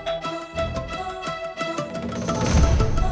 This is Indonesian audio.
aku bawa tas dulu ya